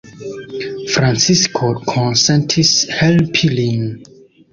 Francisko konsentis helpi lin.